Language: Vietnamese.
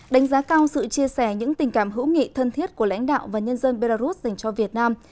đánh giá cao sự chia sẻ những tình cảm hữu nghị thân thiết của lãnh đạo và nhân dân belarus dành cho việt nam